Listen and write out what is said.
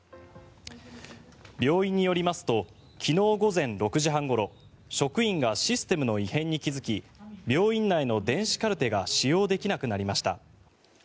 病院によりますと昨日午前６時半ごろ職員がシステムの異変に気付き病院内の電子カルテが使用できなくなりました。